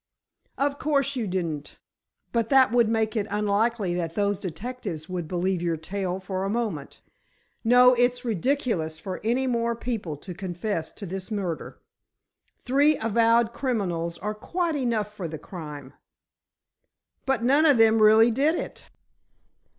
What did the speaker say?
"Of course you didn't. But that would make it unlikely that those detectives would believe your tale for a moment. No, it's ridiculous for any more people to confess to this murder. Three avowed criminals are quite enough for the crime!" "But none of them really did it."